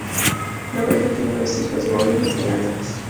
La pareja tiene dos hijos, György y András.